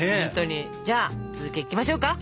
じゃあ続きいきましょうか。